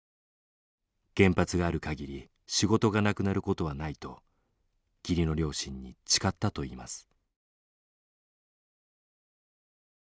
原発があるかぎり仕事がなくなることはないと義理の両親に誓ったと言います。